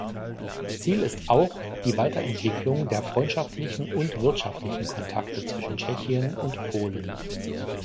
Ziel ist auch die Weiterentwicklung der freundschaftlichen und wirtschaftlichen Kontakte zwischen Tschechien und Polen.